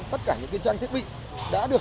tất cả những cái trang thiết bị đã được